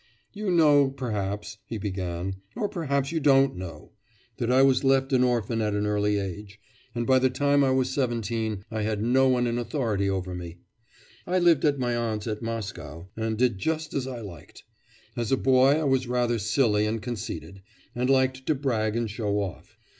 'You know, perhaps,' he began, 'or perhaps you don't know, that I was left an orphan at an early age, and by the time I was seventeen I had no one in authority over me. I lived at my aunt's at Moscow, and did just as I liked. As a boy I was rather silly and conceited, and liked to brag and show off.